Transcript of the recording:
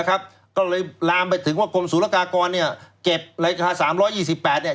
ก็เลยลามไปถึงว่ากรมศูนยากากรเนี่ยเก็บราคา๓๒๘เนี่ย